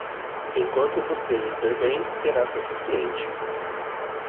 Enquanto você viver bem, será suficiente.